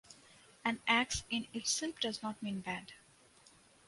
An ax in itself does not mean bad.